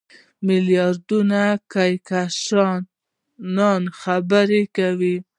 میلیاردونو کهکشانونو خبرې کوي.